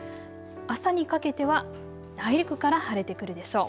朝にかけては内陸から晴れてくるでしょう。